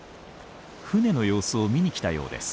船の様子を見に来たようです。